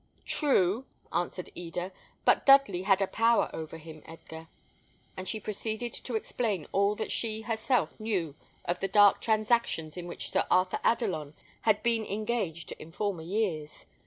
"True," answered Eda; "but Dudley had a power over him, Edgar." And she proceeded to explain all that she herself knew of the dark transactions in which Sir Arthur Adelon had been engaged in former years.